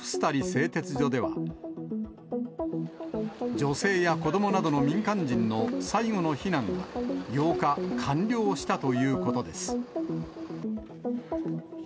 製鉄所では、女性や子どもなどの民間人の最後の避難が、８日、完了したということです。